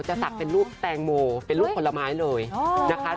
จะตักเป็นรูปแปลงโมเป็นรูปผลไม้เลยนะคะ